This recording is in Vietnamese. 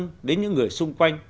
quan tâm đến những người xung quanh